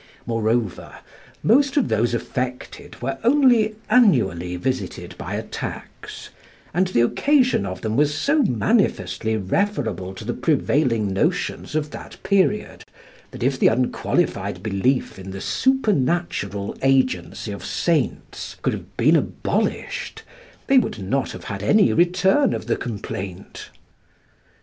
Moreover, most of those affected were only annually visited by attacks; and the occasion of them was so manifestly referable to the prevailing notions of that period, that if the unqualified belief in the supernatural agency of saints could have been abolished, they would not have had any return of the complaint.